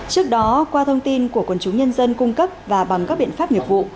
trước đó qua thông tin của quần chúng nhân dân cung cấp và bằng các biện pháp nghiệp vụ